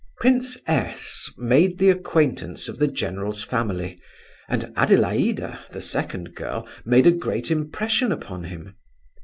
Prince S—— made the acquaintance of the general's family, and Adelaida, the second girl, made a great impression upon him.